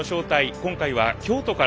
今回は京都からです。